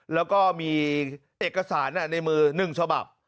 แล้วก็มีเอกสารในมือ๑ฉบับ